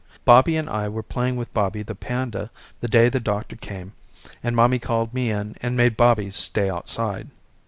Bobby and I were playing with Bobby the panda the day the doctor came and mommy called me in and made Bobby stay outside.